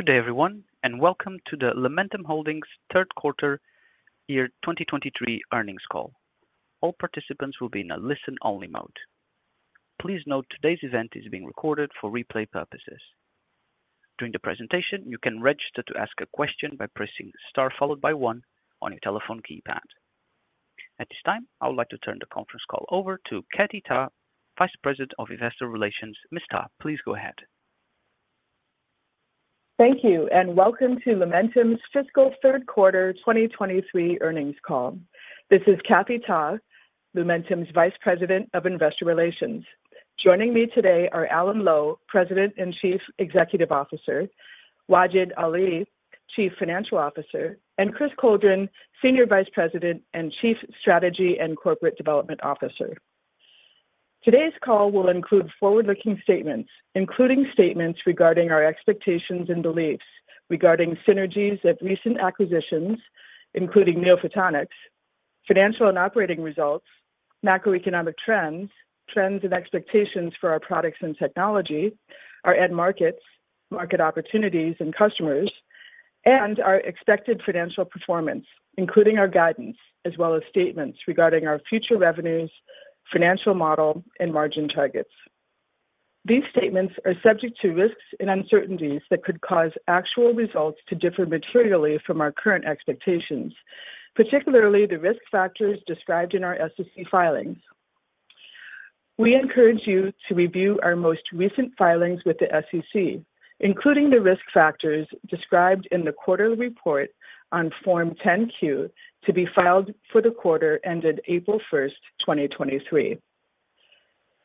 Good day, everyone and welcome to the Lumentum Holdings Third Quarter Year 2023 Earnings Call. All participants will be in a listen-only mode. Please note today's event is being recorded for replay purposes. During the presentation, you can register to ask a question by pressing star followed by one on your telephone keypad. At this time, I would like to turn the conference call over to Kathy Ta, Vice President of Investor Relations. Ms. Ta, please go ahead. Thank you and welcome to Lumentum's Fiscal Third Quarter 2023 Earnings Call. This is Kathy Ta, Lumentum's Vice President of Investor Relations. Joining me today are Alan Lowe, President and Chief Executive Officer; Wajid Ali, Chief Financial Officer; and Chris Coldren, Senior Vice President and Chief Strategy and Corporate Development Officer. Today's call will include forward-looking statements, including statements regarding our expectations and beliefs regarding synergies of recent acquisitions including NeoPhotonics, financial and operating results, macroeconomic trends, trends and expectations for our products and technology, our end markets, market opportunities and customers, and our expected financial performance including our guidance, as well as statements regarding our future revenues, financial model, and margin targets. These statements are subject to risks and uncertainties that could cause actual results to differ materially from our current expectations particularly the risk factors described in our SEC filings. We encourage you to review our most recent filings with the SEC, including the risk factors described in the quarter report on Form 10-Q to be filed for the quarter ended April 1st, 2023.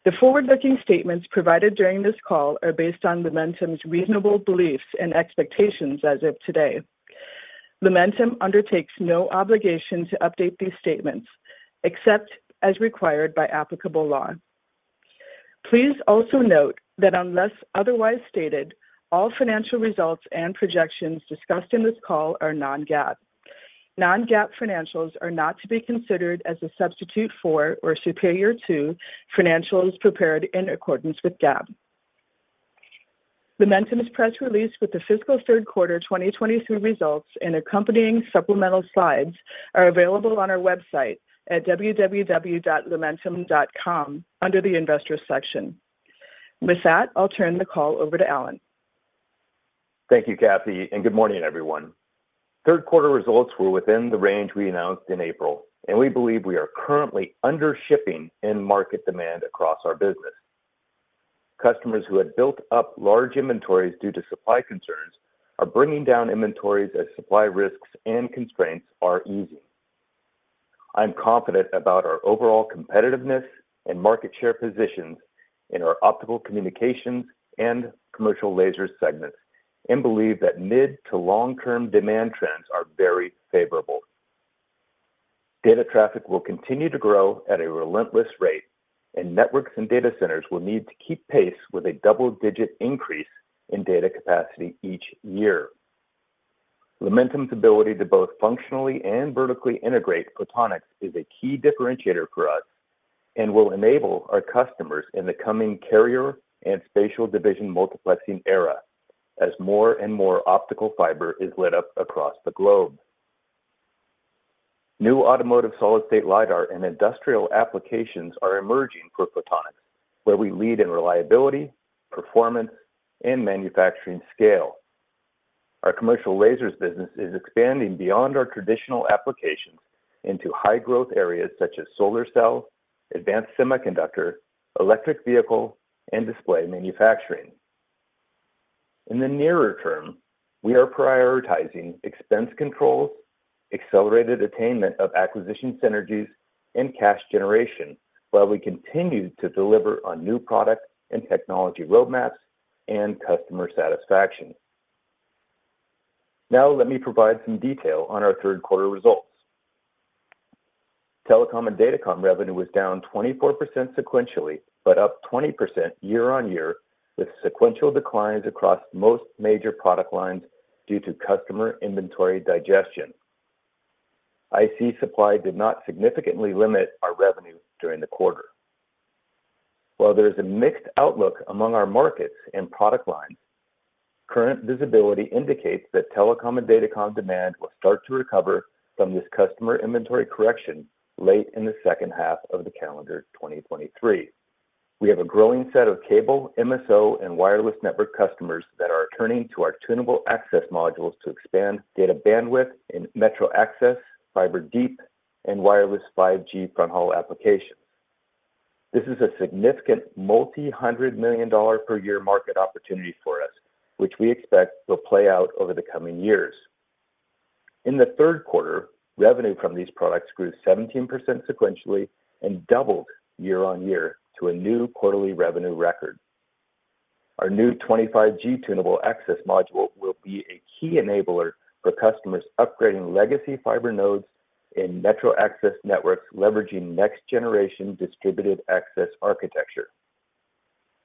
The forward-looking statements provided during this call are based on Lumentum's reasonable beliefs and expectations as of today. Lumentum undertakes no obligation to update these statements except as required by applicable law. Please also note that unless otherwise stated, all financial results and projections discussed in this call are non-GAAP. Non-GAAP financials are not to be considered as a substitute for or superior to financials prepared in accordance with GAAP. Lumentum's press release with the fiscal third quarter 2023 results and accompanying supplemental slides are available on our website at www.lumentum.com under the Investor section. With that, I'll turn the call over to Alan. Thank you, Kathy and good morning, everyone. Third quarter results were within the range we announced in April and we believe we are currently under shipping in market demand across our business. Customers who had built up large inventories due to supply concerns are bringing down inventories as supply risks and constraints are easing. I am confident about our overall competitiveness and market share positions in our optical communications and commercial laser segments, and believe that mid-to-long-term demand trends are very favorable. Data traffic will continue to grow at a relentless rate and networks and data centers will need to keep pace with a double-digit increase in data capacity each year. Lumentum's ability to both functionally and vertically integrate photonics is a key differentiator for us and will enable our customers in the coming carrier and spatial division multiplexing era as more and more optical fiber is lit up across the globe. New automotive solid-state LiDAR and industrial applications are emerging for photonics where we lead in reliability, performance, and manufacturing scale. Our commercial lasers business is expanding beyond our traditional applications into high-growth areas such as solar cell, advanced semiconductor, electric vehicle, and display manufacturing. In the nearer term, we are prioritizing expense controls, accelerated attainment of acquisition synergies, and cash generation, while we continue to deliver on new product and technology roadmaps and customer satisfaction. Now, let me provide some detail on our third quarter results. Telecom and Datacom revenue was down 24% sequentially but up 20% year-on-year with sequential declines across most major product lines due to customer inventory digestion. IC supply did not significantly limit our revenue during the quarter. While there is a mixed outlook among our markets and product lines, current visibility indicates that telecom and datacom demand will start to recover from this customer inventory correction late in the second half of the calendar 2023. We have a growing set of cable, MSO, and wireless network customers that are turning to our tunable access modules to expand data bandwidth in metro access, fiber deep, and wireless 5G front haul applications. This is a significant multi-$100 million per year market opportunity for us, which we expect will play out over the coming years. In the third quarter, revenue from these products grew 17% sequentially and doubled year-on-year to a new quarterly revenue record. Our new 25G tunable access module will be a key enabler for customers upgrading legacy fiber nodes in metro access networks leveraging next-generation distributed access architecture.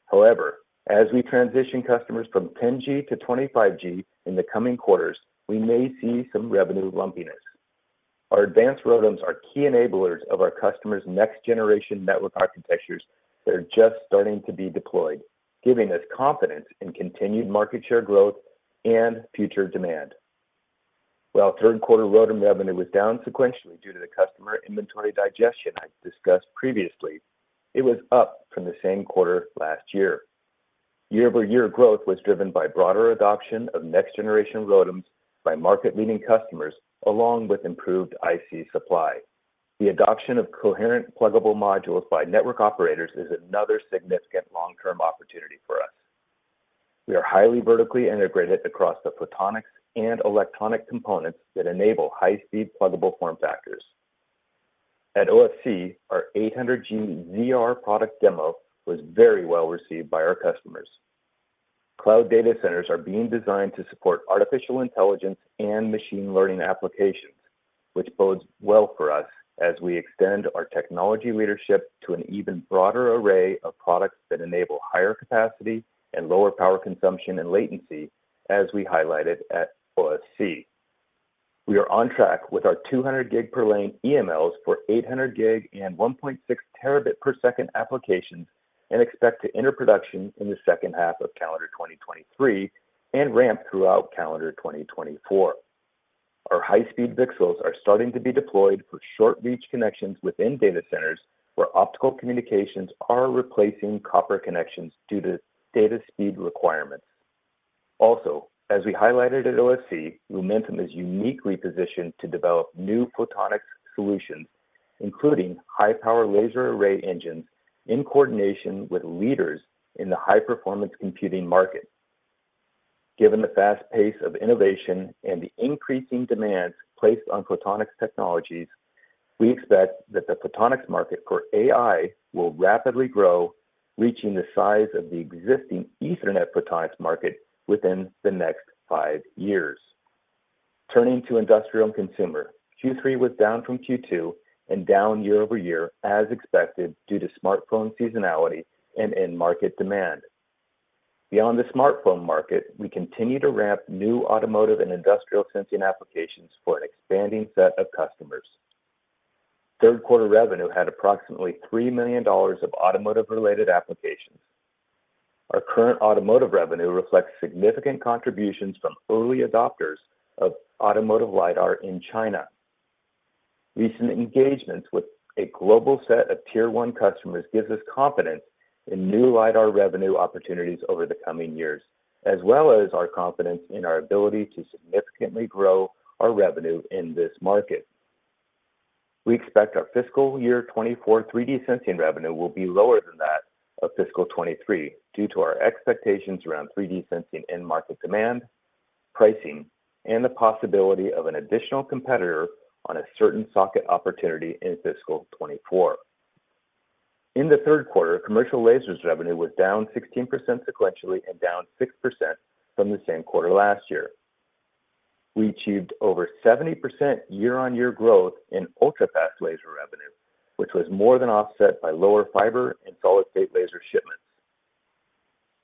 However, as we transition customers from 10G to 25G in the coming quarters, we may see some revenue lumpiness. Our advanced ROADMs are key enablers of our customers' next-generation network architectures that are just starting to be deployed giving us confidence in continued market share growth and future demand. While third quarter ROADM revenue was down sequentially due to the customer inventory digestion I discussed previously, it was up from the same quarter last of year. Year-over-year growth was driven by broader adoption of next-generation ROADMs by market-leading customers along with improved IC supply. The adoption of coherent pluggable modules by network operators is another significant long-term opportunity for us. We are highly vertically integrated across the photonics and electronic components that enable high-speed pluggable form factors. At OFC, our 800G ZR product demo was very well received by our customers. Cloud data centers are being designed to support artificial intelligence and machine learning applications, which bodes well for us as we extend our technology leadership to an even broader array of products that enable higher capacity and lower power consumption and latency, as we highlighted at OFC. We are on track with our 200 GB per lane EMLs for 800 GB and 1.6 TBps applications, and expect to enter production in the second half of calendar 2023 and ramp throughout calendar 2024. Our high-speed VCSELs are starting to be deployed for short-reach connections within data centers, where optical communications are replacing copper connections due to data speed requirements. Also, as we highlighted at OFC, Lumentum is uniquely positioned to develop new photonics solutions, including high-power laser array engines, in coordination with leaders in the high-performance computing market. Given the fast pace of innovation and the increasing demands placed on photonics technologies, we expect that the photonics market for AI will rapidly grow, reaching the size of the existing Ethernet photonics market within the next five years. Turning to industrial and consumer, Q3 was down from Q2 and down year-over-year as expected due to smartphone seasonality and end market demand. Beyond the smartphone market, we continue to ramp new automotive and industrial sensing applications for an expanding set of customers. Third quarter revenue had approximately $3 million of automotive-related applications. Our current automotive revenue reflects significant contributions from early adopters of automotive LiDAR in China. Recent engagements with a global set of tier one customers gives us confidence in new LiDAR revenue opportunities over the coming years, as well as our confidence in our ability to significantly grow our revenue in this market. We expect our Fiscal Year 2024 3D sensing revenue will be lower than that of Fiscal 2023 due to our expectations around 3D sensing end market demand, pricing, and the possibility of an additional competitor on a certain socket opportunity in Fiscal 2024. In the third quarter, commercial lasers revenue was down 16% sequentially and down 6% from the same quarter last year. We achieved over 70% year-on-year growth in ultrafast laser revenue, which was more than offset by lower fiber and solid-state laser shipments.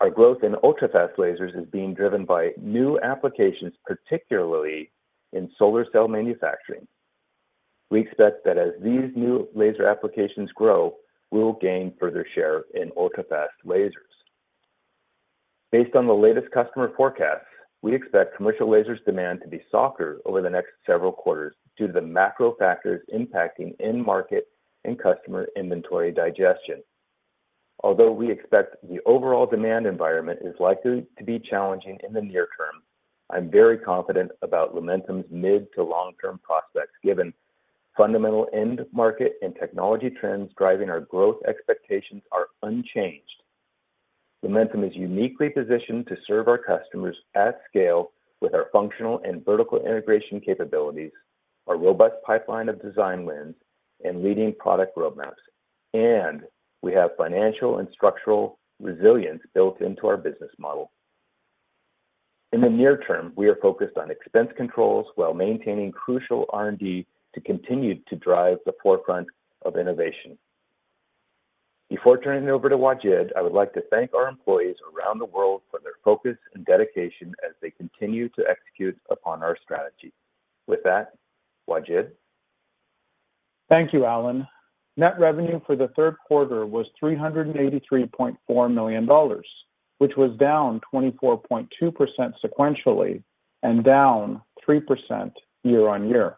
Our growth in ultrafast lasers is being driven by new applications, particularly in solar cell manufacturing. We expect that as these new laser applications grow, we will gain further share in ultrafast lasers. Based on the latest customer forecasts, we expect commercial lasers demand to be softer over the next several quarters due to the macro factors impacting end market and customer inventory digestion. Although we expect the overall demand environment is likely to be challenging in the near term, I'm very confident about Lumentum's mid to long-term prospects given fundamental end market and technology trends driving our growth expectations are unchanged. Lumentum is uniquely positioned to serve our customers at scale with our functional and vertical integration capabilities, our robust pipeline of design wins, and leading product roadmaps. And we have financial and structural resilience built into our business model. In the near term, we are focused on expense controls while maintaining crucial R&D to continue to drive the forefront of innovation. Before turning it over to Wajid, I would like to thank our employees around the world for their focus and dedication as they continue to execute upon our strategy. With that, Wajid? Thank you, Alan. Net revenue for the third quarter was $383.4 million, which was down 24.2% sequentially and down 3% year-on-year.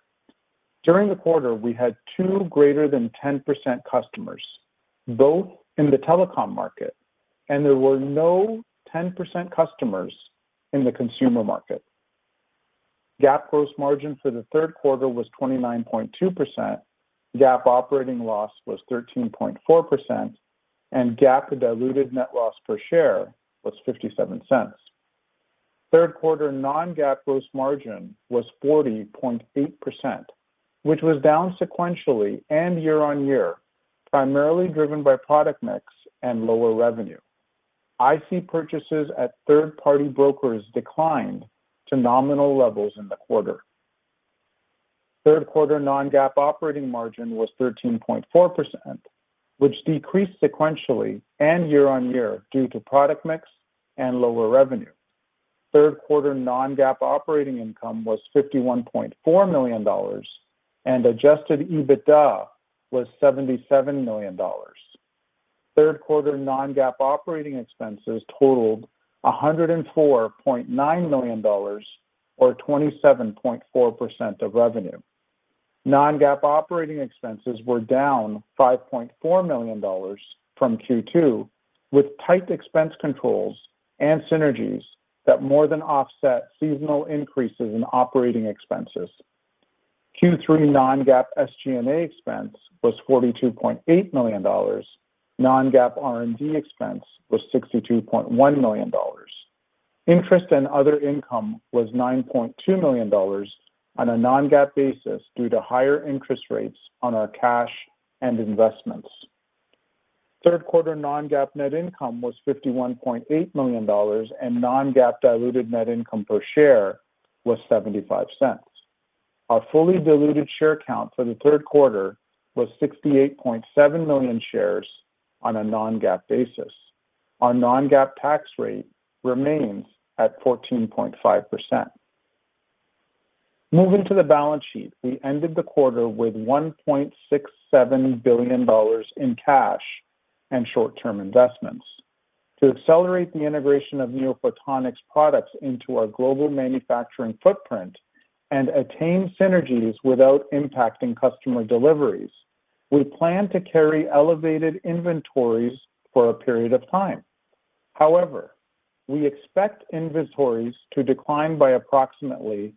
During the quarter, we had two greater than 10% customers, both in the telecom market, and there were no 10% customers in the consumer market. GAAP gross margin for the third quarter was 29.2%, GAAP operating loss was 13.4%, and GAAP diluted net loss per share was $0.57. Third quarter non-GAAP gross margin was 40.8%, which was down sequentially and year-on-year, primarily driven by product mix and lower revenue. IC purchases at third-party brokers declined to nominal levels in the quarter. Third quarter non-GAAP operating margin was 13.4%, which decreased sequentially and year-on-year due to product mix and lower revenue. Third quarter non-GAAP operating income was $51.4 million and adjusted EBITDA was $77 million. Third quarter non-GAAP operating expenses totaled $104.9 million or 27.4% of revenue. Non-GAAP operating expenses were down $5.4 million from Q2 with tight expense controls and synergies that more than offset seasonal increases in operating expenses. Q3 non-GAAP SG&A expense was $42.8 million. Non-GAAP R&D expense was $62.1 million. Interest and other income was $9.2 million on a non-GAAP basis due to higher interest rates on our cash and investments. Third quarter non-GAAP net income was $51.8 million, and non-GAAP diluted net income per share was $0.75. Our fully diluted share count for the third quarter was 68.7 million shares on a non-GAAP basis. Our non-GAAP tax rate remains at 14.5%. Moving to the balance sheet. We ended the quarter with $1.67 billion in cash and short-term investments. To accelerate the integration of NeoPhotonics products into our global manufacturing footprint and attain synergies without impacting customer deliveries, we plan to carry elevated inventories for a period of time. However, we expect inventories to decline by approximately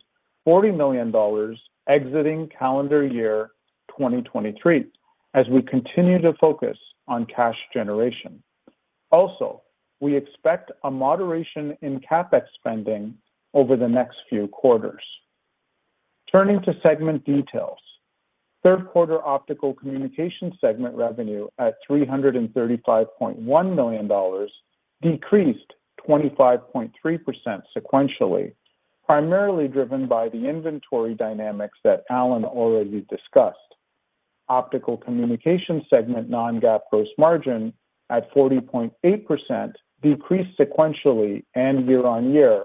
$40 million exiting calendar year 2023 as we continue to focus on cash generation. Also, we expect a moderation in CapEx spending over the next few quarters. Turning to segment details. Third quarter optical communication segment revenue at $335.1 million decreased 25.3% sequentially primarily driven by the inventory dynamics that Alan already discussed. Optical communication segment non-GAAP gross margin at 40.8% decreased sequentially and year-on-year,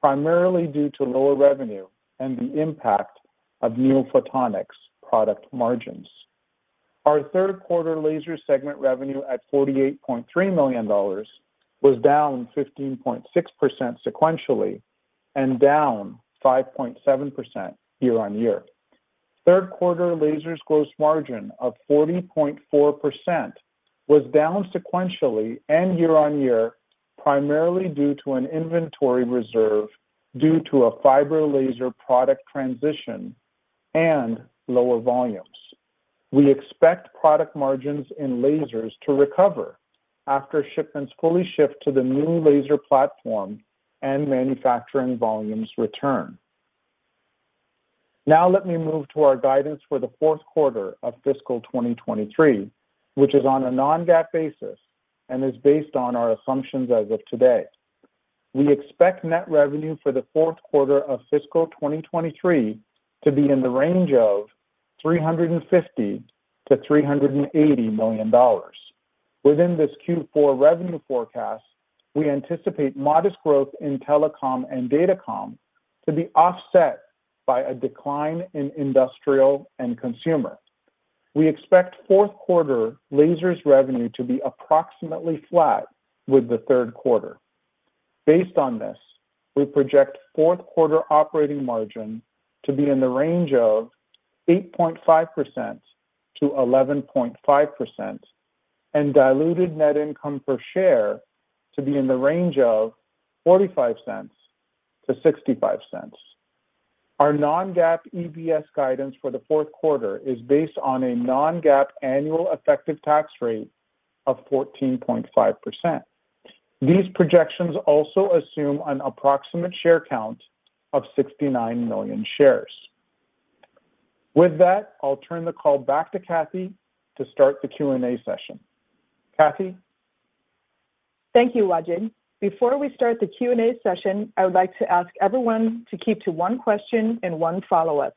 primarily due to lower revenue and the impact of NeoPhotonics product margins. Our third quarter laser segment revenue at $48.3 million was down 15.6% sequentially and down 5.7% year-on-year. Third quarter lasers gross margin of 40.4% was down sequentially and year-on-year primarily due to an inventory reserve due to a fiber laser product transition and lower volumes. We expect product margins in lasers to recover after shipments fully shift to the new laser platform and manufacturing volumes return. Let me move to our guidance for the fourth quarter of Fiscal 2023, which is on a non-GAAP basis and is based on our assumptions as of today. We expect net revenue for the fourth quarter of Fiscal 2023 to be in the range of $350 million to $380 million. Within this Q4 revenue forecast, we anticipate modest growth in telecom and datacom to be offset by a decline in industrial and consumer. We expect fourth quarter lasers revenue to be approximately flat with the third quarter. Based on this, we project fourth quarter operating margin to be in the range of 8.5% to 11.5% and diluted net income per share to be in the range of $0.45 to $0.65. Our non-GAAP EPS guidance for the fourth quarter is based on a non-GAAP annual effective tax rate of 14.5%. These projections also assume an approximate share count of 69 million shares. With that, I'll turn the call back to Kathy to start the Q&A session. Kathy? Thank you, Wajid. Before we start the Q&A session, I would like to ask everyone to keep to one question and one follow-up.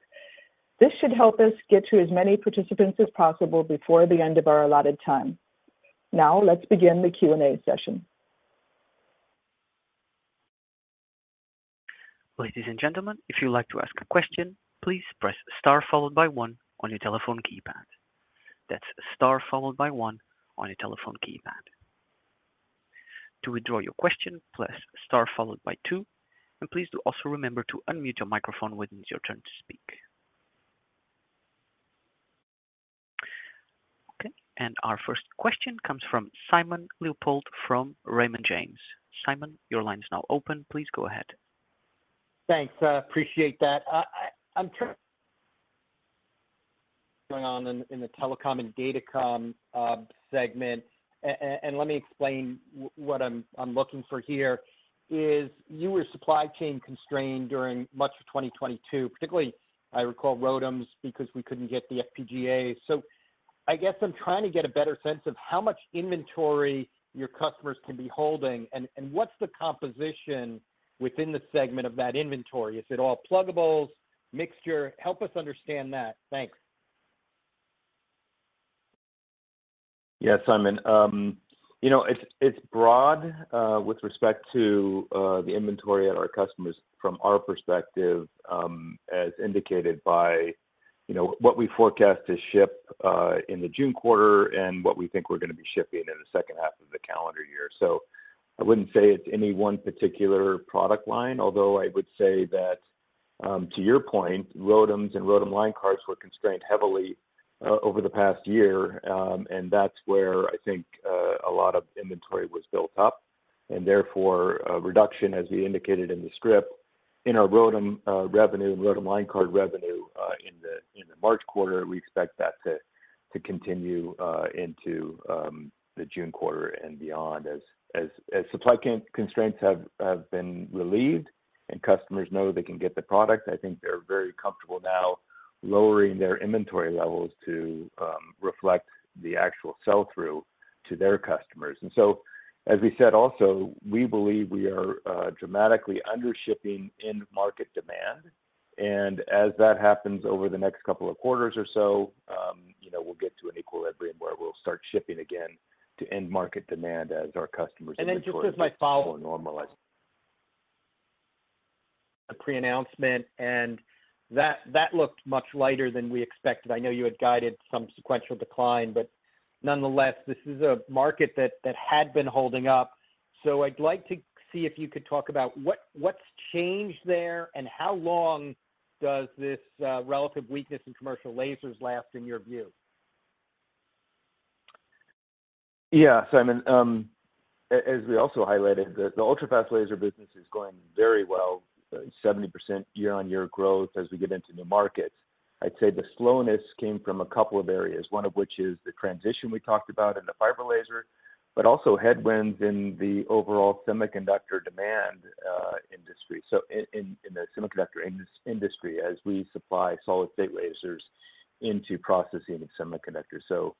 This should help us get to as many participants as possible before the end of our allotted time. Now let's begin the Q&A session. Ladies and gentlemen, if you'd like to ask a question, please press star followed by one on your telephone keypad. That's star followed by one on your telephone keypad. To withdraw your question, press star followed by two, and please do also remember to unmute your microphone when it's your turn to speak. Okay. Our first question comes from Simon Leopold from Raymond James. Simon, your line is now open. Please go ahead. Thanks. appreciate that. I'm turning on in the telecom and datacom segment and let me explain what I'm looking for here, is you were supply chain constrained during much of 2022, particularly I recall ROADMs because we couldn't get the FPGA. I'm trying to get a better sense of how much inventory your customers can be holding and what's the composition within the segment of that inventory? Is it all pluggables, mixture? Help us understand that. Thanks. Yeah, Simon. You know, it's broad with respect to the inventory at our customers from our perspective, as indicated by, you know, what we forecast to ship in the June quarter and what we think we're going to be shipping in the second half of the calendar year. I wouldn't say it's any one particular product line, although I would say that, to your point, ROADMs and ROADM line cards were constrained heavily over the past year. That's where I think a lot of inventory was built up. Therefore, a reduction, as we indicated in the script, in our ROADM revenue and ROADM line card revenue in the March quarter. We expect that to continue into the June quarter and beyond as supply constraints have been relieved and customers know they can get the product. I think they're very comfortable now lowering their inventory levels to reflect the actual sell-through to their customers. As we said also, we believe we are dramatically under shipping end market demand. As that happens over the next couple of quarters or so, you know, we'll get to an equilibrium where we'll start shipping again to end market demand as our customers' inventories get more normalized. A pre-announcement, that looked much lighter than we expected. I know you had guided some sequential decline, nonetheless, this is a market that had been holding up. I'd like to see if you could talk about what's changed there and how long does this relative weakness in commercial lasers last in your view? Yeah, Simon. As we also highlighted, the ultrafast laser business is going very well, 70% year-on-year growth as we get into new markets. I'd say the slowness came from a couple of areas, one of which is the transition we talked about in the fiber laser, but also headwinds in the overall semiconductor demand industry. In the semiconductor industry, as we supply solid-state lasers into processing of semiconductors.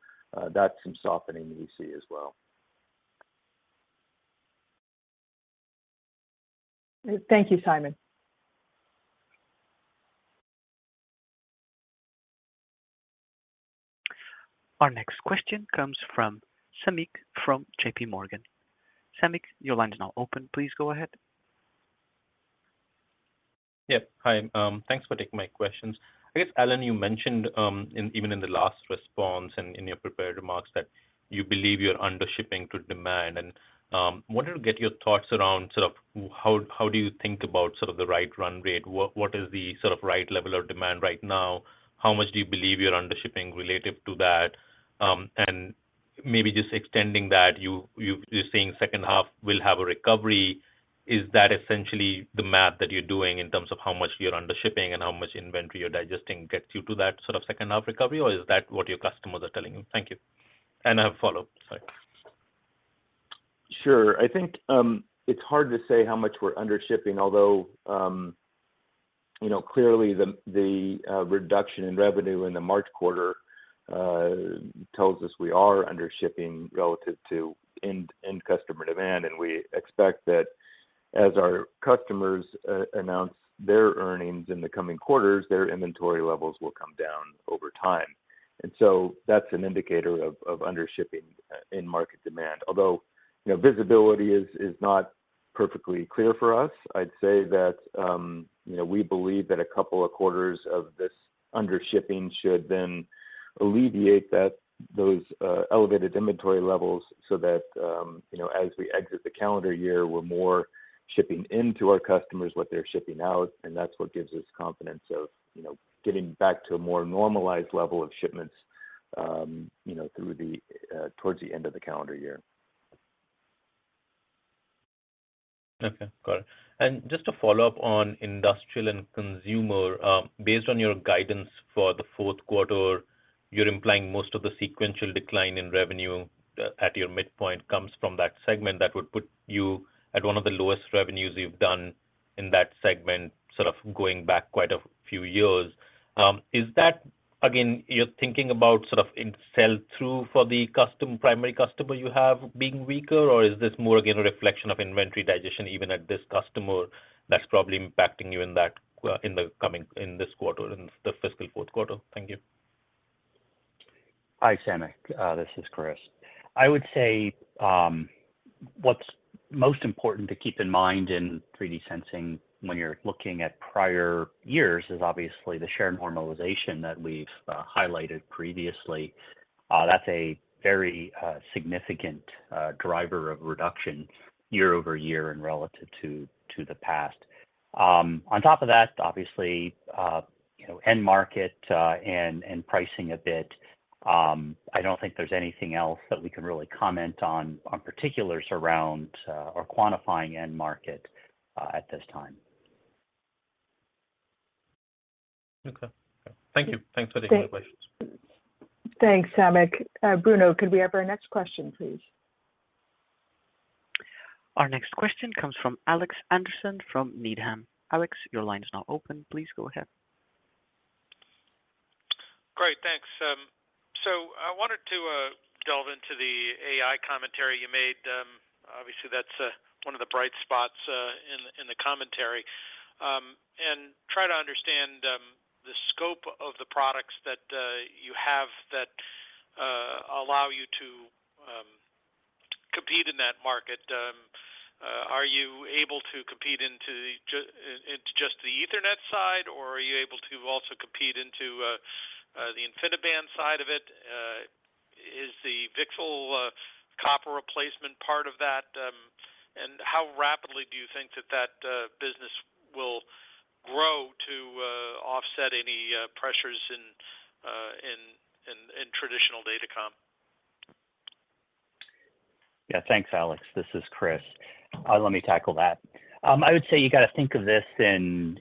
That's some softening that you see as well. Thank you, Simon. Our next question comes from Samik from JP Morgan. Samik, your line is now open. Please go ahead. Yeah. Hi. Thanks for taking my questions. Alan, you mentioned, even in the last response and in your prepared remarks that you believe you're under shipping to demand. I wanted to get your thoughts around sort of how do you think about sort of the right run rate? What is the sort of right level of demand right now? How much do you believe you're under shipping related to that? Maybe just extending that, you're seeing second half will have a recovery. Is that essentially the math that you're doing in terms of how much you're under shipping and how much inventory you're digesting gets you to that sort of second half recovery or is that what your customers are telling you? Thank you and I have follow-up. Sorry. Sure. I think, it's hard to say how much we're under shipping, although, you know, clearly the reduction in revenue in the March quarter tells us we are under shipping relative to end customer demand. We expect that as our customers, announce their earnings in the coming quarters, their inventory levels will come down over time. That's an indicator of under shipping in market demand. Although, you know, visibility is not perfectly clear for us. I'd say that, you know, we believe that a couple of quarters of this under shipping should then alleviate those elevated inventory levels so that, you know, as we exit the calendar year, we're more shipping into our customers what they're shipping out, and that's what gives us confidence of, you know, getting back to a more normalized level of shipments, you know, towards the end of the calendar year. Okay. Got it. Just to follow up on industrial and consumer, based on your guidance for the fourth quarter, you're implying most of the sequential decline in revenue, at your midpoint comes from that segment that would put you at one of the lowest revenues you've done in that segment, sort of going back quite a few years. Is that, again, you're thinking about sort of in sell-through for the primary customer you have being weaker, or is this more, again, a reflection of inventory digestion, even at this customer that's probably impacting you in that, in the coming, in this quarter, in the fiscal fourth quarter? Thank you. Hi, Samik. This is Chris. I would say what's most important to keep in mind in 3D sensing when you're looking at prior years is obviously the share normalization that we've highlighted previously. That's a very significant driver of reduction year-over-year and relative to the past. On top of that, obviously, you know, end market and pricing a bit. I don't think there's anything else that we can really comment on particulars around or quantifying end market at this time. Okay. Thank you. Thanks for taking my questions. Thanks, Samik. Bruno, could we have our next question, please? Our next question comes from Alexander Henderson from Needham. Alex, your line is now open. Please go ahead. Great, thanks. I wanted to delve into the AI commentary you made, obviously that's one of the bright spots in the commentary and try to understand the scope of the products that you have that allow you to compete in that market. Are you able to compete into just the Ethernet side or are you able to also compete into the InfiniBand side of it? Is the VCSEL copper replacement part of that? How rapidly do you think that business will grow to offset any pressures in traditional datacom? Yeah. Thanks, Alex. This is Chris. Let me tackle that. I would say you got to think of this in,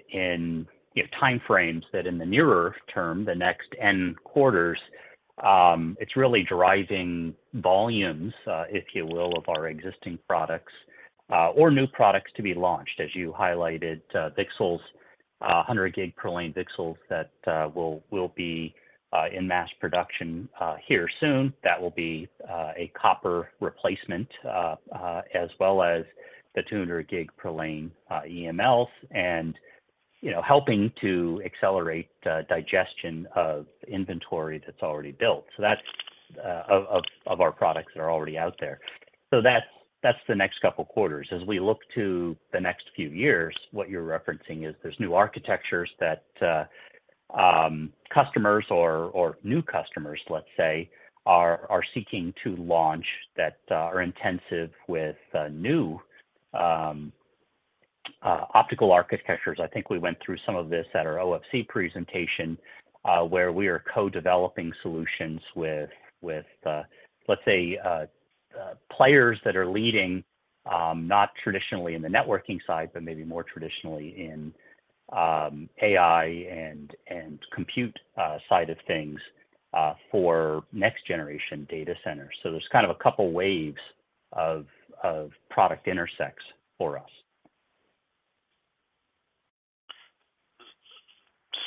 you know, time frames that in the nearer term, the next N quarters, it's really deriving volumes, if you will, of our existing products or new products to be launched. As you highlighted, VCSELs, 100 GB per lane VCSELs that will be in mass production here soon. That will be a copper replacement as well as the 200 GB per lane EMLs and, you know, helping to accelerate digestion of inventory that's already built. That's of our products that are already out there. That's the next couple of quarters. As we look to the next few years, what you're referencing is there's new architectures that customers or new customers, let's say, are seeking to launch that are intensive with new optical architectures. I think we went through some of this at our OFC presentation, where we are co-developing solutions with, let's say, players that are leading, not traditionally in the networking side, but maybe more traditionally in AI and compute side of things for next generation data centers. There's kind of a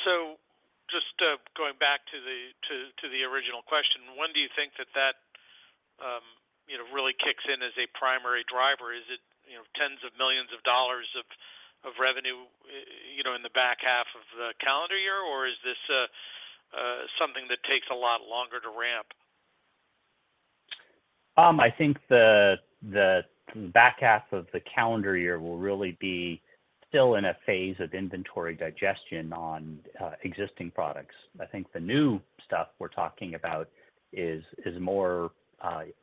couple waves of product intersects for us. Just going back to the original question. When do you think that, you know, really kicks in as a primary driver? Is it, you know, tens of millions of dollars of revenue, you know, in the back half of the calendar year or is this something that takes a lot longer to ramp? I think the back half of the calendar year will really be still in a phase of inventory digestion on existing products. I think the new stuff we're talking about is more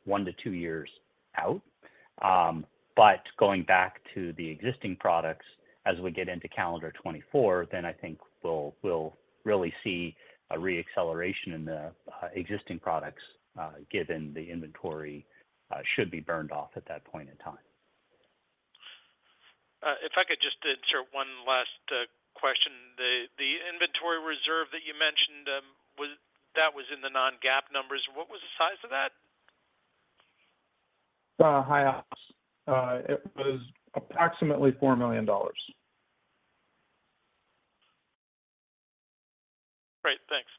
one to two years out. Going back to the existing products as we get into calendar 2024, then I think we'll really see a re-acceleration in the existing products, given the inventory should be burned off at that point in time. If I could just insert one last question. The inventory reserve that you mentioned, that was in the non-GAAP numbers. What was the size of that? Hi, Alex. It was approximately $4 million. Great. Thanks.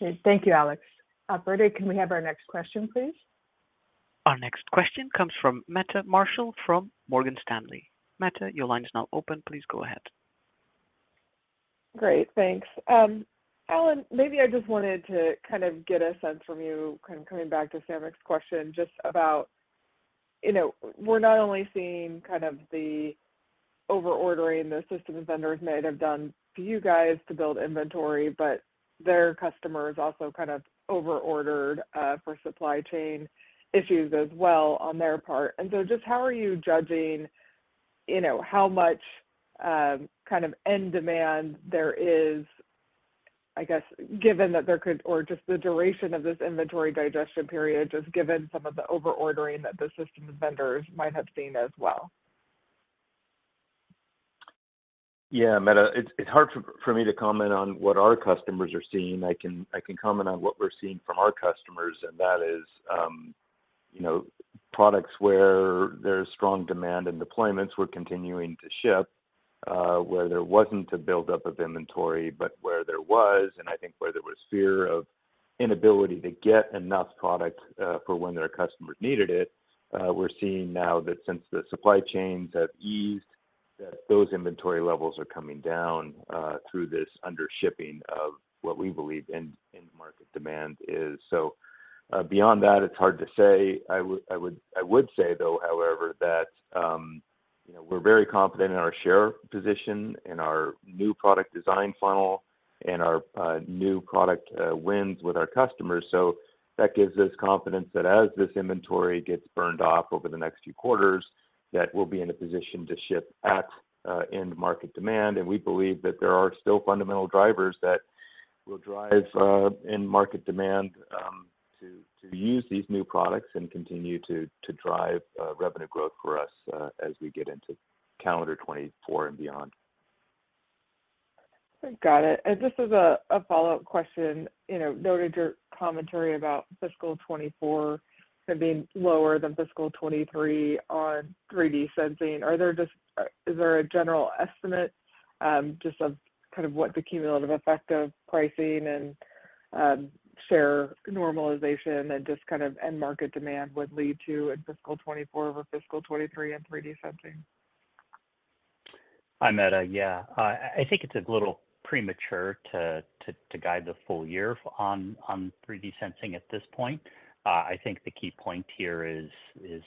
Okay. Thank you, Alex. operator, can we have our next question, please? Our next question comes from Meta Marshall from Morgan Stanley. Meta, your line is now open. Please go ahead. Great. Thanks. Alan, maybe I just wanted to kind of get a sense from you kind of coming back to Samik's question just about, you know, we're not only seeing kind of the over ordering the systems vendors may have done for you guys to build inventory, but their customers also kind of over ordered for supply chain issues as well on their part. Just how are you judging, you know, how much kind of end demand there is given that there could or just the duration of this inventory digestion period, just given some of the over ordering that the systems vendors might have seen as well? Yeah. Meta, it's hard for me to comment on what our customers are seeing. I can comment on what we're seeing from our customers, and that is, you know, products where there's strong demand and deployments, we're continuing to ship, where there wasn't a buildup of inventory, but where there was, and I think where there was fear of inability to get enough product, for when their customers needed it, we're seeing now that since the supply chains have eased, that those inventory levels are coming down through this under shipping of what we believe in market demand is. beyond that, it's hard to say. I would say though, however, that, you know, we're very confident in our share position and our new product design funnel and our new product wins with our customers. That gives us confidence that as this inventory gets burned off over the next few quarters, that we'll be in a position to ship at end market demand. We believe that there are still fundamental drivers that will drive end market demand to use these new products and continue to drive revenue growth for us as we get into calendar 2024 and beyond. Got it. Just as a follow-up question, you know, noted your commentary about Fiscal 2024 being lower than fiscal 2023 on 3D sensing, is there a general estimate, just of kind of what the cumulative effect of pricing and share normalization and just of kind of end market demand would lead to in Fiscal 2024 over Fiscal 2023 in 3D sensing? Hi, Meta. Yeah. I think it's a little premature to guide the full-year on 3D sensing at this point. I think the key point here is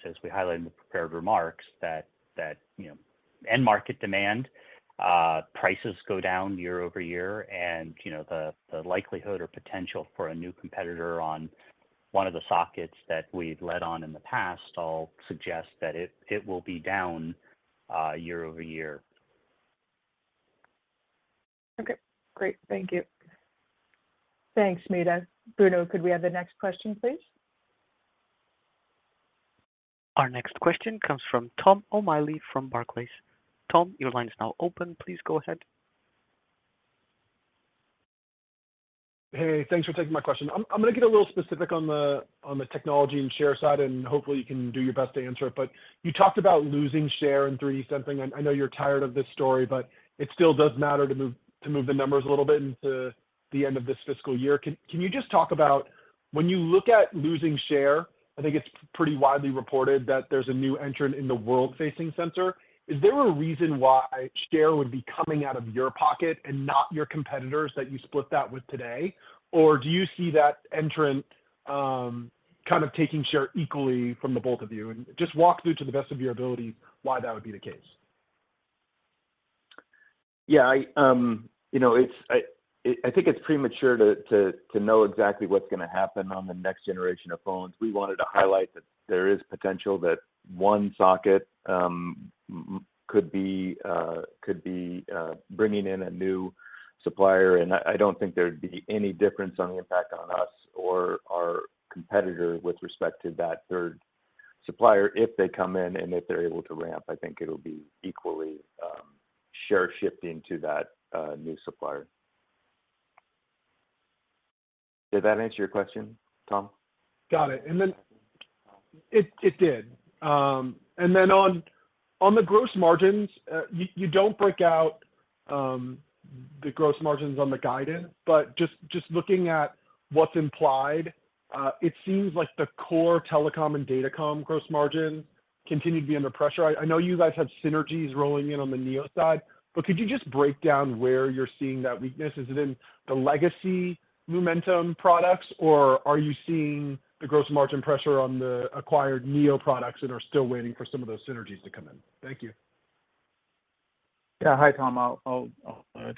as we highlighted in the prepared remarks that, you know, end market demand, prices go down year-over-year and, you know, the likelihood or potential for a new competitor on one of the sockets that we've led on in the past all suggest that it will be down year-over-year. Okay, great. Thank you. Thanks, Meta. Bruno, could we have the next question, please? Our next question comes from Tom O'Malley from Barclays. Tom, your line is now open. Please go ahead. Hey, thanks for taking my question. I'm going to get a little specific on the, on the technology and share side, and hopefully you can do your best to answer it. You talked about losing share in 3D sensing, and I know you're tired of this story, but it still does matter to move the numbers a little bit into the end of this fiscal year. Can you just talk about when you look at losing share, I think it's pretty widely reported that there's a new entrant in the world-facing sensor. Is there a reason why share would be coming out of your pocket and not your competitors that you split that with today or do you see that entrant kind of taking share equally from the both of you? Just walk through to the best of your ability why that would be the case. Yeah. You know, I think it's premature to know exactly what's going to happen on the next generation of phones. We wanted to highlight that there is potential that one socket could be bringing in a new supplier. I don't think there'd be any difference on the impact on us or our competitor with respect to that third supplier if they come in and if they're able to ramp. I think it'll be equally share shifting to that new supplier. Did that answer your question, Tom? Got it. It did. On the gross margins, you don't break out the gross margins on the guidance. Just looking at what's implied, it seems like the core telecom and datacom gross margin continue to be under pressure. I know you guys have synergies rolling in on the Neo side, could you just break down where you're seeing that weakness? Is it in the legacy Lumentum products or are you seeing the gross margin pressure on the acquired Neo products and are still waiting for some of those synergies to come in? Thank you. Yeah. Hi, Tom. I'll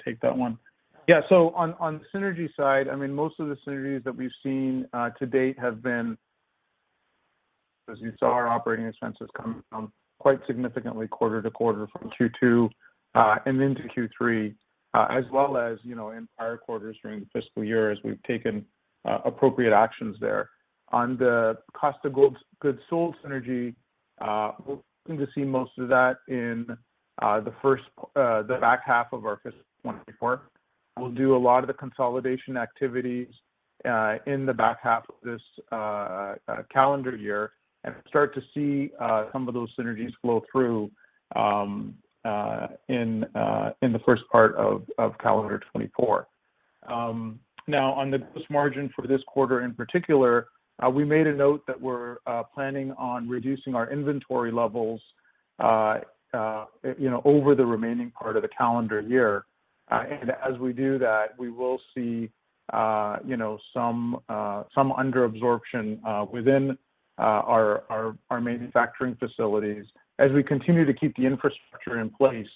take that one. Yeah. On the synergy side, I mean, most of the synergies that we've seen to date have been, as you saw our operating expenses come down quite significantly quarter to quarter from Q2, and then to Q3, as well as, you know, in prior quarters during the fiscal year as we've taken appropriate actions there. On the cost of goods sold synergy, we're going to see most of that in the back half of our Fiscal 2024. We'll do a lot of the consolidation activities in the back half of this calendar year and start to see some of those synergies flow through in the first part of calendar 2024. Now on the gross margin for this quarter in particular, we made a note that we're planning on reducing our inventory levels, you know, over the remaining part of the calendar year. As we do that, we will see, you know, some under absorption within our manufacturing facilities as we continue to keep the infrastructure in place,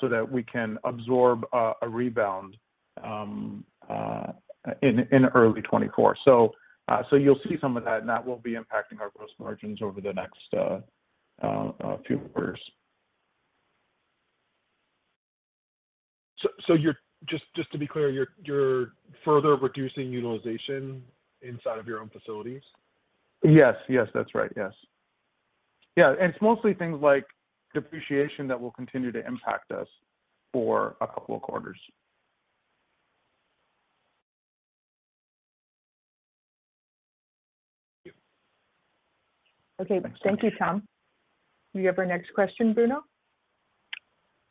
so that we can absorb a rebound in early 2024. You'll see some of that and that will be impacting our gross margins over the next few quarters. You're just to be clear, you're further reducing utilization inside of your own facilities? Yes. Yes. That's right. Yes. Yeah. It's mostly things like depreciation that will continue to impact us for a couple of quarters. Thank you. Okay. Thank you, Tom. Do you have our next question, Bruno?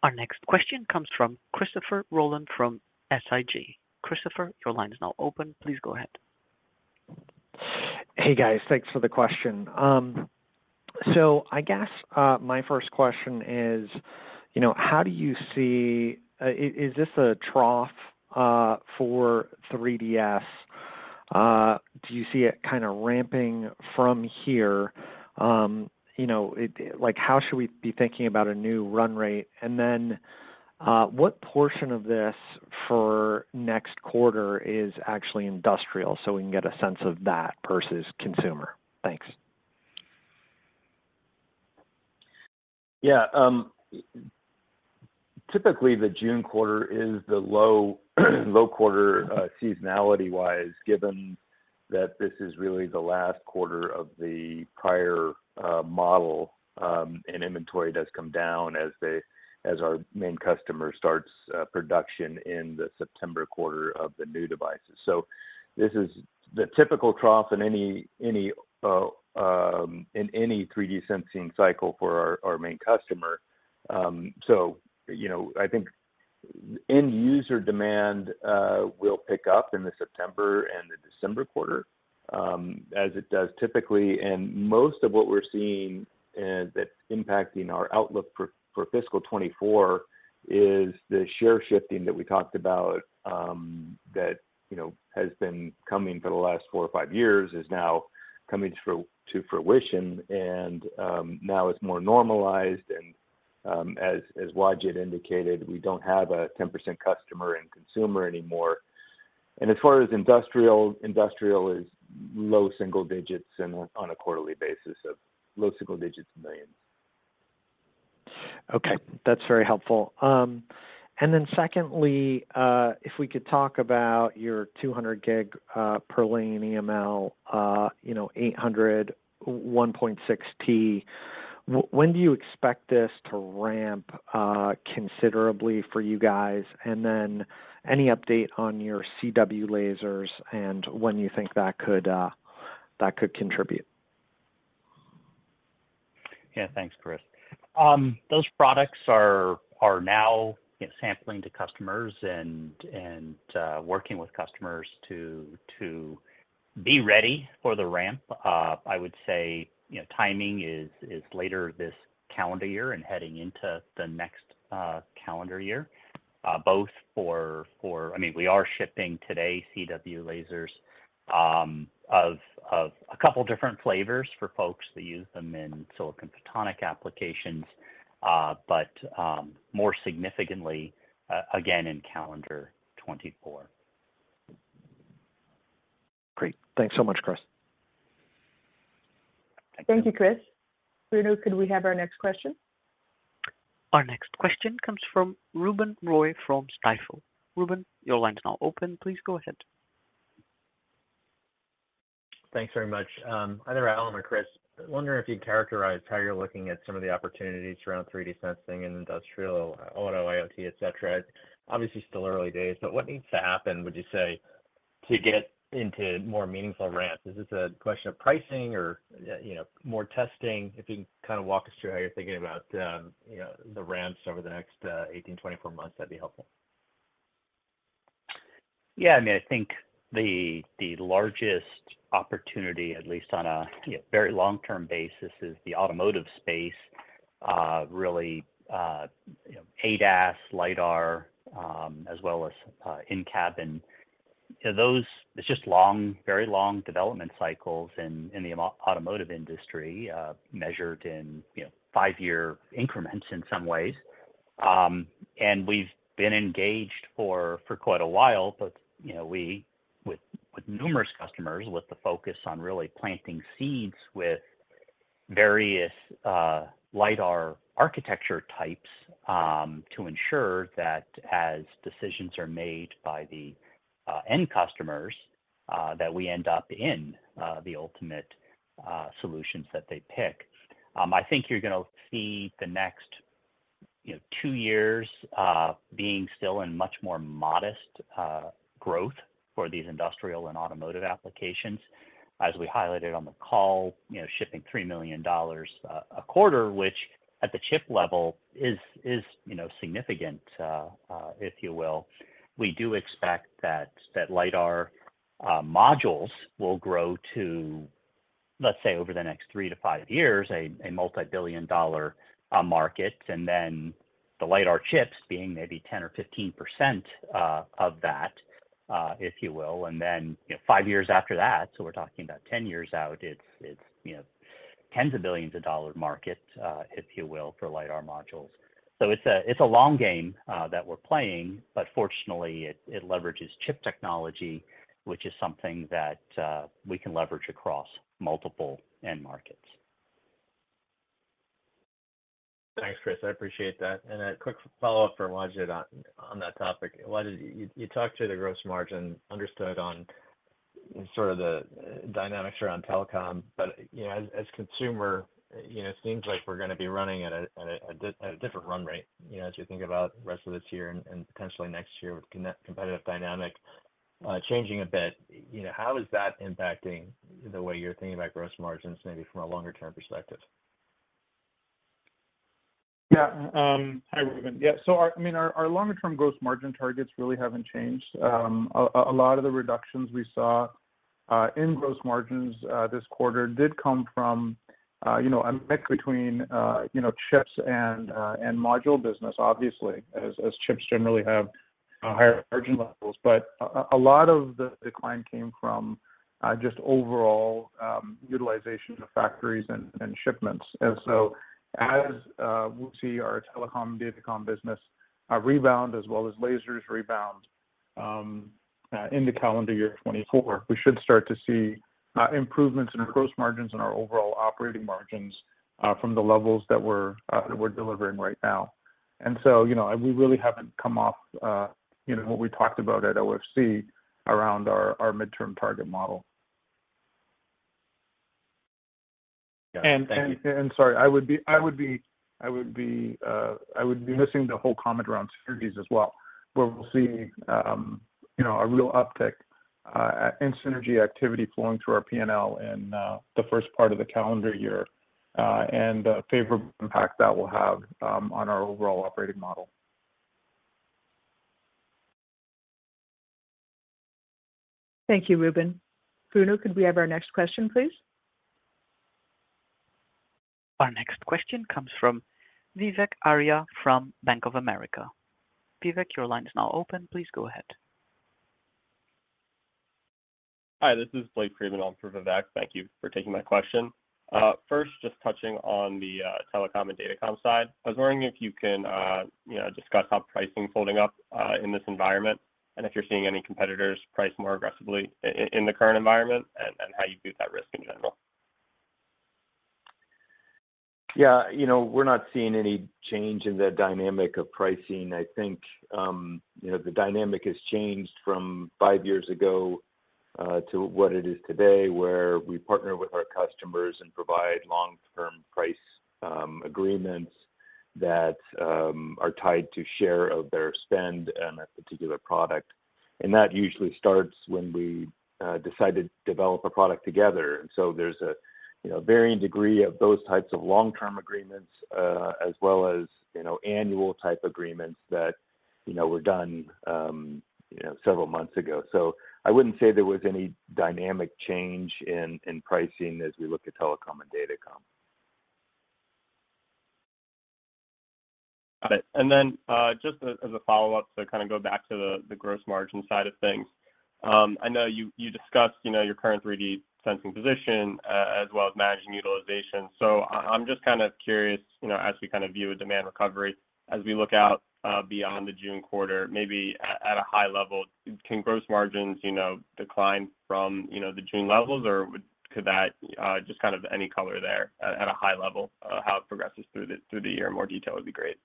Our next question comes from Christopher Rolland from SIG. Christopher, your line is now open. Please go ahead. Hey, guys. Thanks for the question. My first question is, you know, how do you see? Is this a trough for 3DS? Do you see it ramping from here? You know, like, how should we be thinking about a new run rate? What portion of this for next quarter is actually industrial so we can get a sense of that versus consumer? Thanks. Yeah. typically the June quarter is the low quarter, seasonality-wise, given that this is really the last quarter of the prior model, and inventory does come down as our main customer starts production in the September quarter of the new devices. This is the typical trough in any 3D sensing cycle for our main customer. You know, I think end user demand will pick up in the September and the December quarter, as it does typically. Most of what we're seeing that's impacting our outlook for Fiscal 2024 is the share shifting that we talked about, that, you know, has been coming for the last four or five years is now coming to fruition. Now it's more normalized. As Wajid indicated, we don't have a 10% customer in consumer anymore. As far as industrial is low-single digits and on a quarterly basis of low single-digit $1 million. Okay, that's very helpful. Secondly, if we could talk about your 200 GB per lane EML, you know, 800, 1.6 TB. When do you expect this to ramp considerably for you guys? Any update on your CW lasers and when you think that could that could contribute? Yeah. Thanks, Chris. Those products are now, you know, sampling to customers and working with customers to be ready for the ramp. I would say, you know, timing is later this calendar year and heading into the next calendar year, both for, I mean, we are shipping today CW lasers of a couple different flavors for folks that use them in silicon photonic applications but more significantly, again in calendar 2024. Great. Thanks so much, Chris. Thank you, Chris. Bruno, could we have our next question? Our next question comes from Ruben Roy from Stifel. Ruben, your line's now open. Please go ahead. Thanks very much. Either Alan or Chris, I wonder if you'd characterize how you're looking at some of the opportunities around 3D sensing in industrial auto IoT, et cetera. Obviously still early days, but what needs to happen, would you say, to get into more meaningful ramps? Is this a question of pricing or, you know, more testing? If you can kind of walk us through how you're thinking about, you know, the ramps over the next 18 months, 24 months, that'd be helpful. Yeah, I mean, I think the largest opportunity, at least on a, you know, very long-term basis, is the automotive space, really, you know, ADAS, LiDAR, as well as in-cabin. You know, those, it's just long, very long development cycles in the automotive industry, measured in, you know, five-year increments in some ways. And we've been engaged for quite a while, but you know, we with numerous customers, with the focus on really planting seeds with various LiDAR architecture types, to ensure that as decisions are made by the end customers, that we end up in the ultimate solutions that they pick. I think you're going to see the next, you know, two years, being still in much more modest growth for these industrial and automotive applications. As we highlighted on the call, you know, shipping $3 million a quarter, which at the chip level is, you know, significant, if you will. We do expect that LiDAR modules will grow to, let's say, over the next three to five years, a multi-billion dollar market, and then the LiDAR chips being maybe 10% or 15% of that, if you will. Then, you know, five years after that, so we're talking about 10 years out, it's, you know, tens of billions of dollar market, if you will, for LiDAR modules. It's a long game that we're playing, but fortunately, it leverages chip technology, which is something that we can leverage across multiple end markets. Thanks, Chris. I appreciate that. A quick follow-up for Wajid on that topic. Wajid, you talked to the gross margin, understood on sort of the dynamics around telecom. You know, as consumer, you know, seems like we're going to be running at a different run rate, you know, as you think about rest of this year and potentially next year with competitive dynamic, changing a bit. You know, how is that impacting the way you're thinking about gross margins maybe from a longer term perspective? Yeah. Hi, Ruben. Yeah, I mean, our longer term gross margin targets really haven't changed. A lot of the reductions we saw in gross margins this quarter did come from, you know, a mix between, you know, chips and module business, obviously, as chips generally have higher margin levels. A lot of the decline came from just overall utilization of factories and shipments. As we'll see our telecom/datacom business rebound as well as lasers rebound into calendar year 2024, we should start to see improvements in our gross margins and our overall operating margins from the levels that we're delivering right now. You know, we really haven't come off, you know, what we talked about at OFC around our midterm target model. Yeah. Thank you. Sorry, I would be missing the whole comment around synergies as well, where we'll see, you know, a real uptick, and synergy activity flowing through our P&L in the first part of the calendar year, and the favorable impact that will have, on our overall operating model. Thank you, Ruben. Bruno, could we have our next question, please? Our next question comes from Vivek Arya from Bank of America. Vivek, your line is now open. Please go ahead. Hi, this is Blake Freeman on for Vivek. Thank you for taking my question. First, just touching on the telecom and datacom side, I was wondering if you can, you know, discuss how pricing's holding up in this environment, and if you're seeing any competitors price more aggressively in the current environment, and how you view that risk in general. Yeah, you know, we're not seeing any change in the dynamic of pricing. I think, you know, the dynamic has changed from five years ago to what it is today, where we partner with our customers and provide long-term price agreements that are tied to share of their spend on a particular product. That usually starts when we decide to develop a product together. There's a, you know, varying degree of those types of long-term agreements, as well as, you know, annual type agreements that, you know, were done, you know, several months ago. I wouldn't say there was any dynamic change in pricing as we look at telecom and datacom. Got it. Just as a follow-up to kind of go back to the gross margin side of things. I know you discussed, you know, your current 3D sensing position, as well as managing utilization. I'm just kind of curious, you know, as we kind of view a demand recovery as we look out, beyond the June quarter, maybe at a high level, can gross margins, you know, decline from, you know, the June levels, or could that just kind of any color there at a high level of how it progresses through the, through the year? More detail would be great.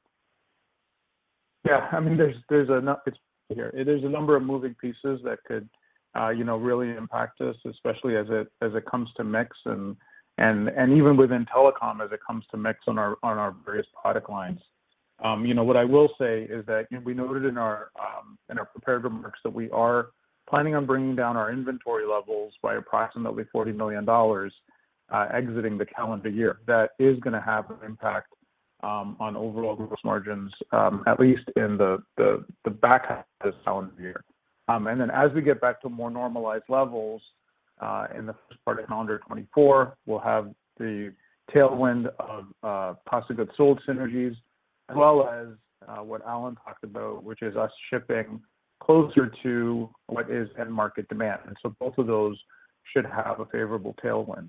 Yeah. I mean, there's It's here. There's a number of moving pieces that could, you know, really impact us, especially as it, as it comes to mix and even within telecom as it comes to mix on our various product lines. you know, what I will say is that, you know, we noted in our prepared remarks that we are planning on bringing down our inventory levels by approximately $40 million exiting the calendar year. That is going to have an impact on overall gross margins, at least in the back half of this calendar year. As we get back to more normalized levels, in the first part of calendar 2024, we'll have the tailwind of cost of goods sold synergies, as well as what Alan talked about, which is us shipping closer to what is end market demand. Both of those should have a favorable tailwind.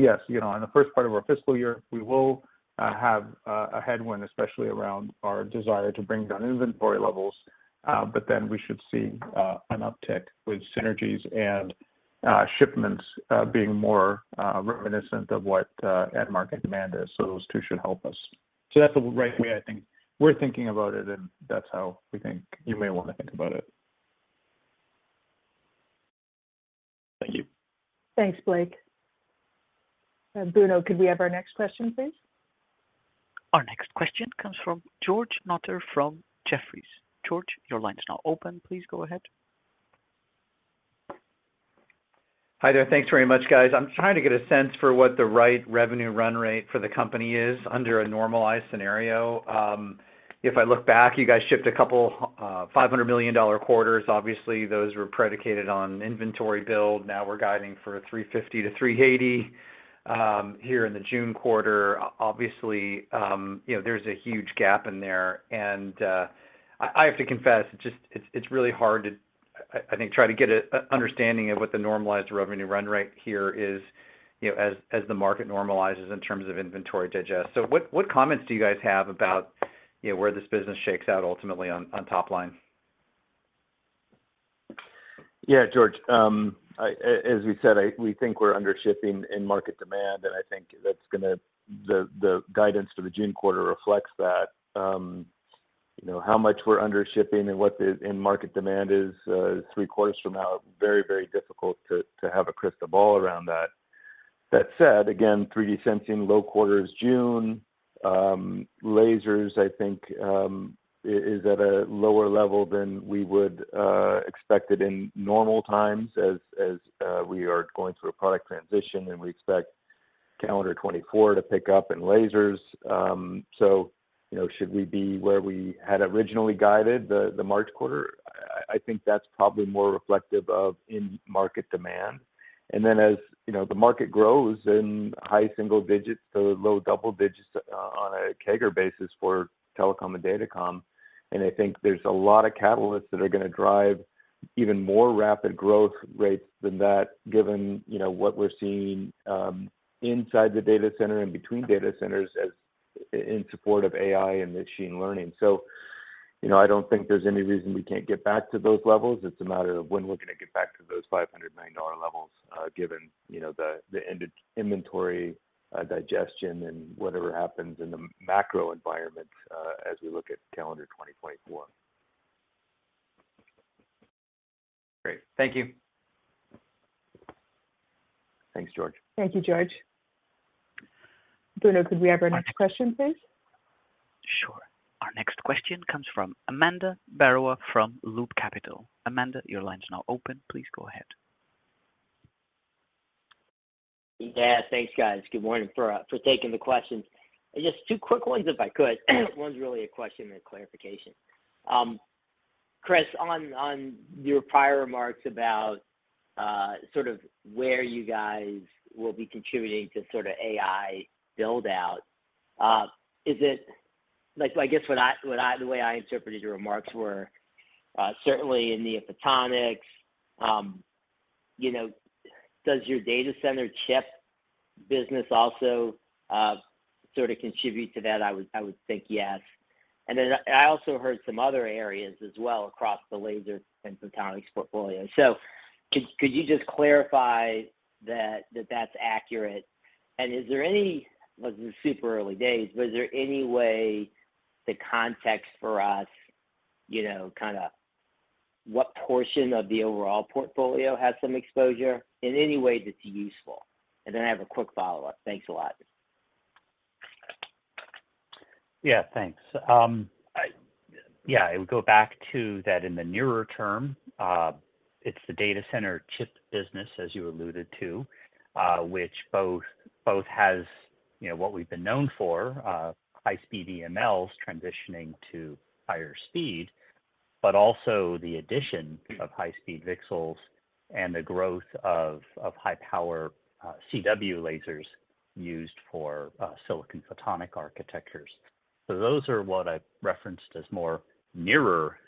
Yes, you know, in the first part of our fiscal year, we will have a headwind, especially around our desire to bring down inventory levels, but then we should see an uptick with synergies and shipments being more reminiscent of what end market demand is. Those two should help us. That's the right way I think we're thinking about it, and that's how we think you may want to think about it. Thank you. Thanks, Blake. Bruno, could we have our next question, please? Our next question comes from George Notter from Jefferies. George, your line is now open. Please go ahead. Hi there. Thanks very much, guys. I'm trying to get a sense for what the right revenue run rate for the company is under a normalized scenario. If I look back, you guys shipped a couple, $500 million quarters. Obviously, those were predicated on inventory build. Now we're guiding for $350 million to $380 million here in the June quarter. Obviously, you know, there's a huge gap in there. I have to confess, it's really hard to, I think, try to get an understanding of what the normalized revenue run rate here is, you know, as the market normalizes in terms of inventory digest. What comments do you guys have about, you know, where this business shakes out ultimately on top line? Yeah, George. As we said, we think we're under shipping in market demand. The guidance for the June quarter reflects that, you know, how much we're under shipping and what the end market demand is three quarters from now, very difficult to have a crystal ball around that. With that said, again, 3D sensing, low quarter is June. Lasers, I think, is at a lower level than we would expect it in normal times as we are going through a product transition, and we expect calendar 2024 to pick up in lasers. You know, should we be where we had originally guided the March quarter? I think that's probably more reflective of end market demand. As, you know, the market grows in high-single digits to low double-digits on a CAGR basis for telecom and datacom, I think there's a lot of catalysts that are going to drive even more rapid growth rates than that, given, you know, what we're seeing inside the data center and between data centers in support of AI and machine learning. You know, I don't think there's any reason we can't get back to those levels. It's a matter of when we're going to get back to those $500 million levels, given, you know, the inventory digestion and whatever happens in the macro environment, as we look at calendar 2024. Great. Thank you. Thanks, George. Thank you, George. Bruno, could we have our next question, please? Sure. Our next question comes from Ananda Baruah from Loop Capital. Ananda, your line's now open. Please go ahead. Yeah, thanks, guys. Good morning for taking the questions. Just two quick ones if I could. One's really a question and clarification. Chris, on your prior remarks about sort of where you guys will be contributing to sort of AI build out, the way I interpreted your remarks were, certainly in the photonics, you know, does your data center chip business also sort of contribute to that? I would think yes. I also heard some other areas as well across the laser and photonics portfolio. Could you just clarify that's accurate? Is there any like super early days, but is there any way to context for us, you know, what portion of the overall portfolio has some exposure in any way that's useful? I have a quick follow-up. Thanks a lot. Yeah, thanks. Yeah, it would go back to that in the nearer term, it's the data center chip business, as you alluded to, which both has, you know, what we've been known for, high speed EMLs transitioning to higher speed, but also the addition of high speed VCSELs and the growth of high power, CW lasers used for silicon photonic architectures. Those are what I've referenced as more nearer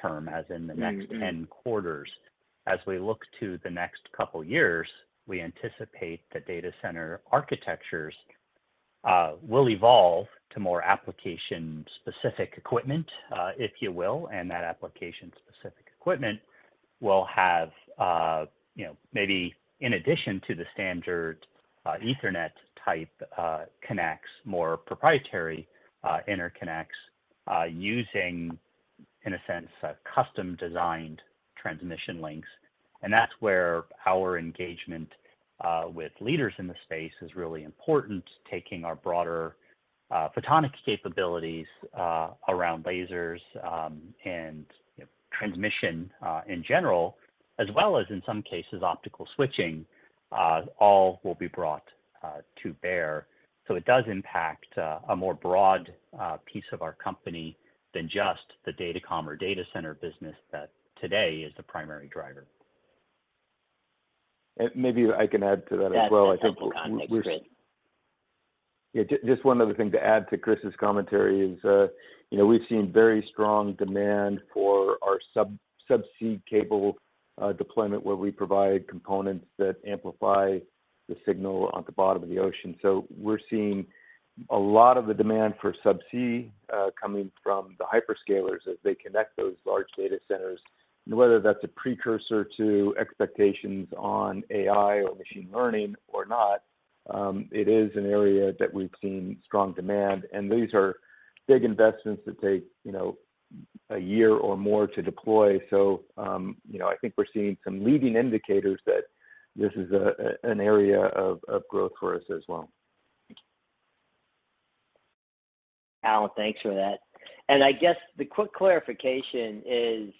term as in the next 10 quarters. As we look to the next couple years, we anticipate the data center architectures, will evolve to more application-specific equipment, if you will, and that application-specific equipment will have, you know, maybe in addition to the standard, Ethernet type, connects more proprietary, interconnects, using, in a sense, custom-designed transmission links. That's where our engagement, with leaders in the space is really important, taking our broader, photonics capabilities, around lasers, and transmission, in general, as well as in some cases, optical switching, all will be brought, to bear. It does impact, a more broad, piece of our company than just the datacom or data center business that today is the primary driver. Maybe I can add to that as well. Yeah. That's great. Yeah. Just one other thing to add to Chris' commentary is, you know, we've seen very strong demand for our subsea cable deployment, where we provide components that amplify the signal at the bottom of the ocean. We're seeing a lot of the demand for subsea coming from the hyperscalers as they connect those large data centers. Whether that's a precursor to expectations on AI or machine learning or not, it is an area that we've seen strong demand, and these are big investments that take, you know, one year or more to deploy. You know, I think we're seeing some leading indicators that this is an area of growth for us as well. Alan, thanks for that. The quick clarification is,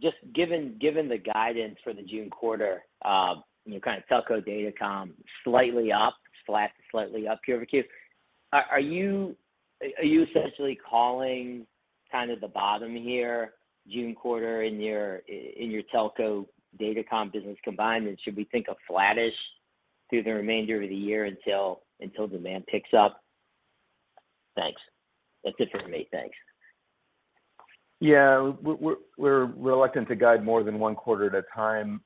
just given the guidance for the June quarter, you know, kind of telco data com slightly up, slightly up Q-over-Q. Are you essentially calling kind of the bottom here June quarter in your telco data com business combined? Should we think of flattish through the remainder of the year until demand picks up? Thanks. That's it for me. Thanks. Yeah. We're reluctant to guide more than one quarter at a time.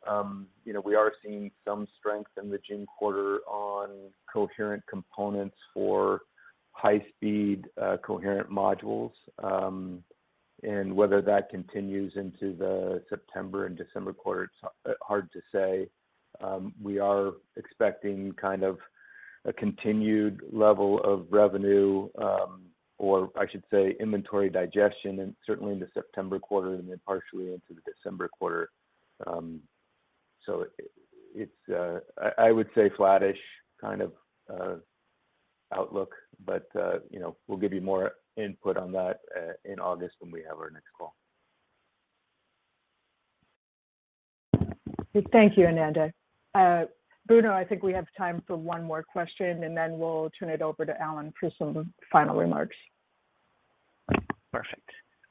You know, we are seeing some strength in the June quarter on coherent components for high speed coherent modules. Whether that continues into the September and December quarter, it's hard to say. We are expecting kind of a continued level of revenue or I should say inventory digestion, and certainly in the September quarter and then partially into the December quarter. It's, I would say flattish kind of outlook. You know, we'll give you more input on that in August when we have our next call. Thank you, Ananda. Bruno, I think we have time for one more question, and then we'll turn it over to Alan for some final remarks. Perfect.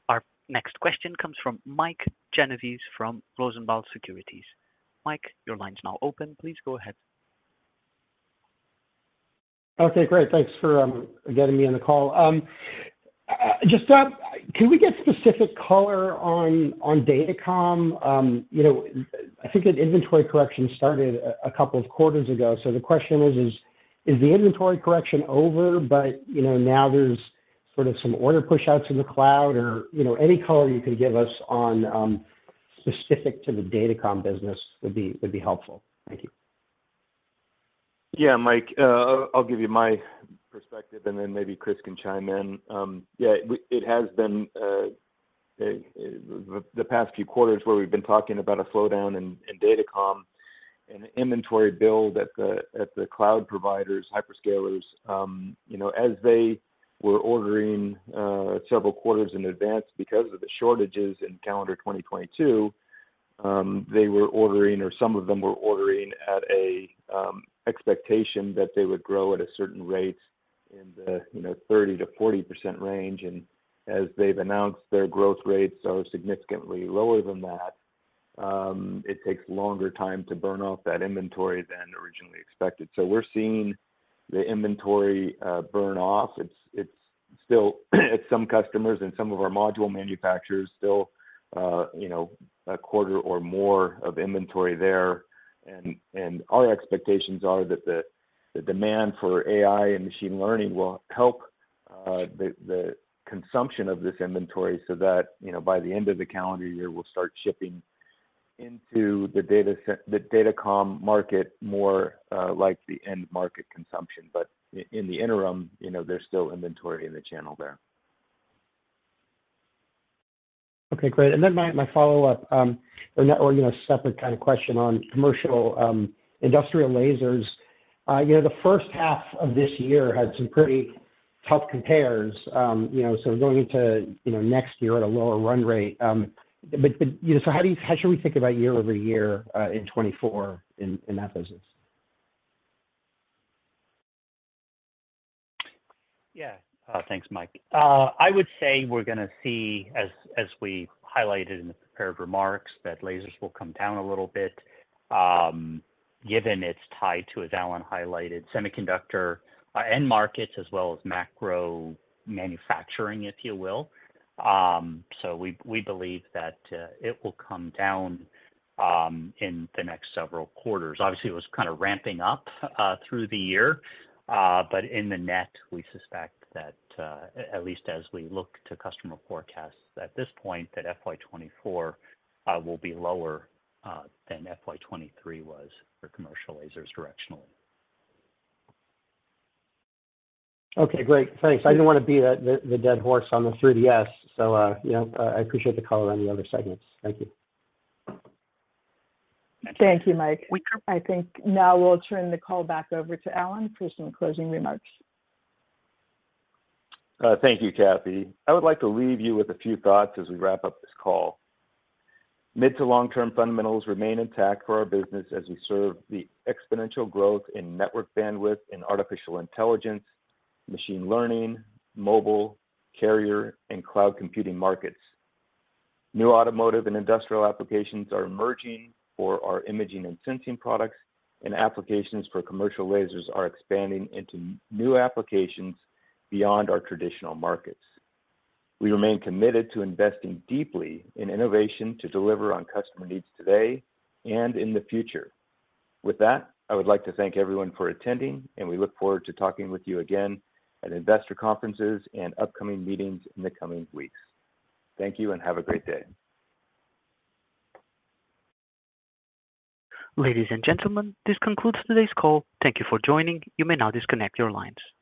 Our next question comes from Mike Genovese from Rosenblatt Securities. Mike, your line's now open. Please go ahead. Okay, great. Thanks for getting me on the call. Just can we get specific color on datacom? You know, I think that inventory correction started a couple of quarters ago. The question is the inventory correction over but, you know, now there's sort of some order pushouts in the cloud or, you know, any color you could give us on specific to the datacom business would be helpful. Thank you. Yeah, Mike. I'll give you my perspective, and then maybe Chris can chime in. Yeah, it has been the past few quarters where we've been talking about a slowdown in datacom and the inventory build at the cloud providers, hyperscalers, you know, as they were ordering several quarters in advance because of the shortages in calendar 2022, they were ordering or some of them were ordering at an expectation that they would grow at a certain rate in the, you know, 30% tp 40% range. As they've announced, their growth rates are significantly lower than that. It takes longer time to burn off that inventory than originally expected. We're seeing the inventory burn off. It's still at some customers and some of our module manufacturers still, you know, a quarter or more of inventory there. Our expectations are that the demand for AI and machine learning will help the consumption of this inventory so that, you know, by the end of the calendar year, we'll start shipping into the datacom market more, like the end market consumption. In the interim, you know, there's still inventory in the channel there. Okay, great. My follow-up, or, you know, separate kind of question on commercial, Industrial Lasers. You know, the first half of this year had some pretty tough compares, you know, going into, you know, next year at a lower run rate. But, you know, how should we think about year-over-year, in 2024 in that business? Thanks, Mike. I would say we're going to see as we highlighted in the prepared remarks, that lasers will come down a little bit, given it's tied to, as Alan highlighted, semiconductor, end markets as well as macro manufacturing, if you will. We believe that it will come down in the next several quarters. Obviously, it was kind of ramping up through the year. In the net, we suspect that, at least as we look to customer forecasts at this point that FY 2024 will be lower than FY 2023 was for commercial lasers directionally. Okay, great. Thanks. I didn't want to beat the dead horse on the 3DS. You know, I appreciate the color on the other segments. Thank you. Thank you, Mike. I think now we'll turn the call back over to Alan for some closing remarks. Thank you, Kathy. I would like to leave you with a few thoughts as we wrap up this call. Mid to long-term fundamentals remain intact for our business as we serve the exponential growth in network bandwidth and artificial intelligence, machine learning, mobile, carrier, and cloud computing markets. New automotive and industrial applications are emerging for our imaging and sensing products, and applications for commercial lasers are expanding into new applications beyond our traditional markets. We remain committed to investing deeply in innovation to deliver on customer needs today and in the future. With that, I would like to thank everyone for attending. And we look forward to talking with you again at investor conferences and upcoming meetings in the coming weeks. Thank you and have a great day. Ladies and gentlemen, this concludes today's call. Thank you for joining. You may now disconnect your lines. Thank you.